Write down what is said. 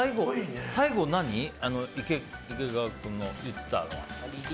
最後、池川君の言ってたの何？